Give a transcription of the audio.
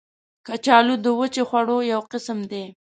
کچالو د وچې خواړو یو قسم دی